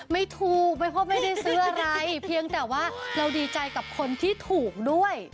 ไม่ถูกเพราะไม่ได้ซื้ออะไรเพียงแต่ว่าเราดีใจกับคนที่ถูกด้วย